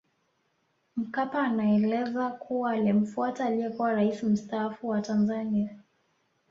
Mkapa anaeleza kuwa alimfuata aliyekuwa rais mstaafu wa Tanzania